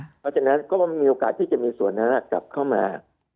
เพราะฉะนั้นก็มีโอกาสที่จะมีส่วนนั้นกลับเข้ามา